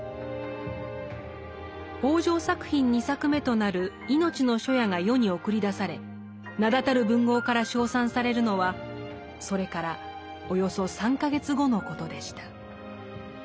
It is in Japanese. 北條作品２作目となる「いのちの初夜」が世に送り出され名だたる文豪から称賛されるのはそれからおよそ３か月後のことでした。